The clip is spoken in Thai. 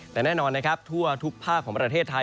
แต่แน่นอนนะครับทั่วทุกภาคของประเทศไทย